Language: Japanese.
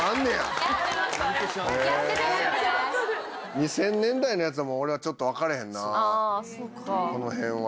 ２０００年代のやつは俺はちょっと分かれへんな。